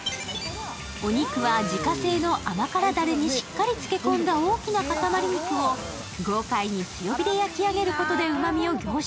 お肉は自家製の甘辛だれにしっかり漬け込んだ大きなかたまり肉を豪快に強火で焼き上げることでうまみを凝縮。